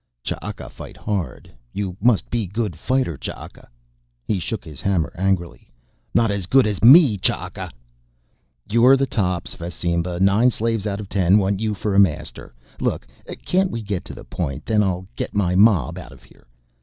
"Ch'aka fight hard. You must be good fighter Ch'aka." He shook his hammer angrily. "Not as good as me, Ch'aka!" "You're the tops, Fasimba, nine slaves out of ten want you for a master. Look, can't we get to the point, then I'll get my mob out of here."